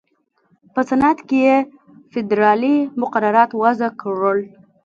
په صنعت کې یې فېدرالي مقررات وضع کړل.